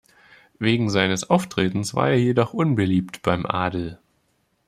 Wegen seines Auftretens war er jedoch unbeliebt beim Adel.